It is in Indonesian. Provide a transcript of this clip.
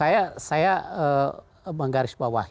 ya saya menggaris bawah